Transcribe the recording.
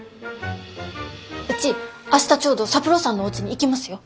うち明日ちょうど三郎さんのおうちに行きますよ。